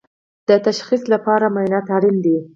د تشخیص لپاره معاینات اړین دي